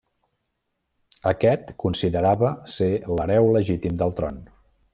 Aquest considerava ser l'hereu legítim del tron.